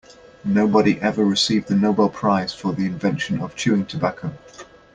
Nobody ever received the Nobel prize for the invention of chewing tobacco.